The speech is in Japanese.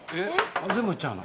全部いっちゃうの？